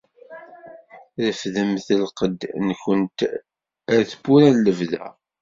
Refdemt lqedd-nkwent, a tibbura n lebda.